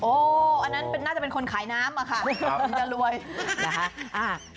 อันนั้นน่าจะเป็นคนขายน้ำอ่ะค่ะมันจะรวย